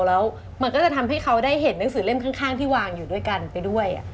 แล้วมันก็จะทำให้เขาได้เห็นหนังสือเล่มข้างที่วางอยู่ด้วยกันไปด้วย